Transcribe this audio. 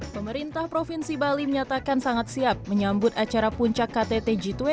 pemerintah provinsi bali menyatakan sangat siap menyambut acara puncak ktt g dua puluh